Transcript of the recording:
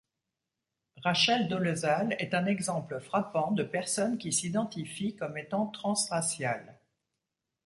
Rachel Dolezal est un exemple frappant de personne qui s’identifie comme étant transraciale.